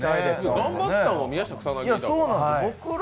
頑張ったのは宮下草薙だから。